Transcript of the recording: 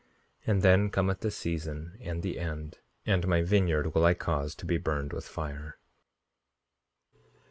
And then cometh the season and the end; and my vineyard will I cause to be burned with fire.